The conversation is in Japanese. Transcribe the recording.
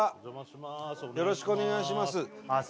よろしくお願いします